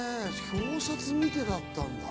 表札、見てだったんだ。